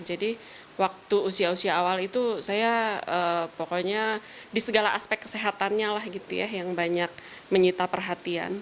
jadi waktu usia usia awal itu saya pokoknya di segala aspek kesehatannya lah gitu ya yang banyak menyita perhatian